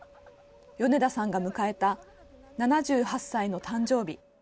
米田さんが迎えた７８歳の誕生日。